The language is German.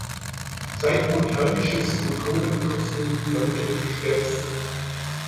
Sein botanisches Autorenkürzel lautet „Schnepf“.